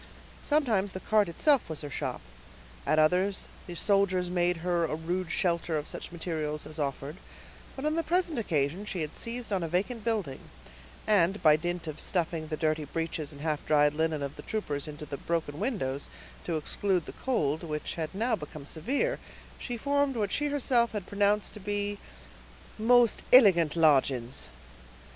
Sometimes the cart itself was her shop; at others the soldiers made her a rude shelter of such materials as offered; but on the present occasion she had seized on a vacant building, and, by dint of stuffing the dirty breeches and half dried linen of the troopers into the broken windows, to exclude the cold, which had now become severe, she formed what she herself had pronounced to be "most illigant lodgings."